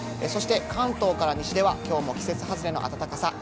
そして関東から西では今日も季節外れの暖かさ。